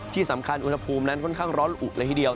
ที่สำคัญอุณหภูมินั้นค่อนข้างร้อนละอุเลยทีเดียว